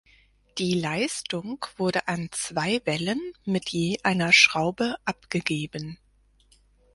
Die Leistung wurde an zwei Wellen mit je einer Schraube abgegeben.